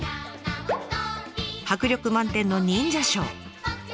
迫力満点の忍者ショー。